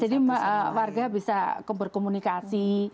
jadi warga bisa berkomunikasi